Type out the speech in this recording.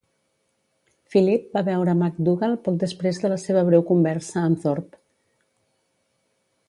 Philip va veure MacDougall poc després de la seva breu conversa amb Thorpe.